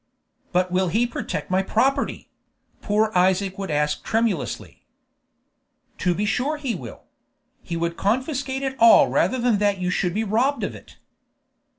"But will he protect my property?" poor Isaac would ask tremulously. "To be sure he will! He would confiscate it all rather than that you should be robbed of it."